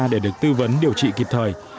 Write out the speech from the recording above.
để được tư vấn điều trị kịp thời